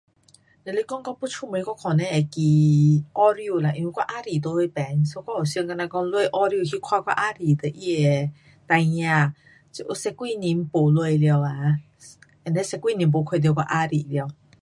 若是讲我要出门，我可能会选澳洲啦，因为我啊弟在那边，so 我有想好像讲下澳洲去看我啊弟跟他的孩儿，这有十多年没下了啊。and then 十多年没看到我啊弟了。